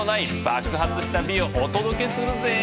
爆発した美をお届けするぜ！